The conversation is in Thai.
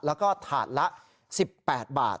แล้วก็ถาดละ๑๘บาท